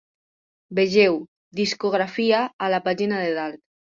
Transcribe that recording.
Vegeu 'Discografia' a la pàgina de dalt.